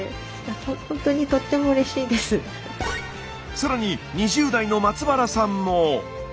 更に２０代の松原さんも。